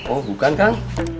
oh bukan kan